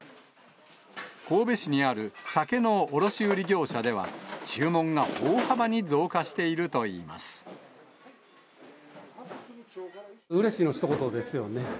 神戸市にある酒の卸売り業者では、注文が大幅に増加しているうれしいのひと言ですよね。